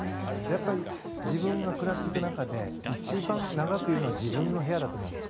やっぱり自分が暮らしていく中で一番長くいるのは自分の部屋だと思うんです。